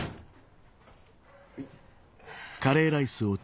はい。